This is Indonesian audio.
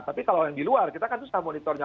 tapi kalau yang di luar kita kan susah monitornya